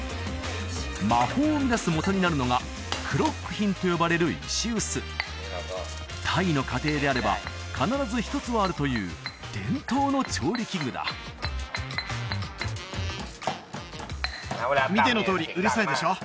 魔法を生み出すもとになるのがクロックヒンと呼ばれる石臼タイの家庭であれば必ず一つはあるという伝統の調理器具だ見てのとおりうるさいでしょ？